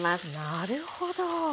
なるほど！